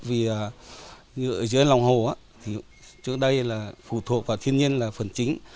hiệu quả nó rất thấp vì ở dưới lòng hồ trước đây là phụ thuộc vào thiên nhiên là phần chính